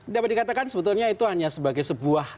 dapat dikatakan sebetulnya itu hanya sebagai sebuah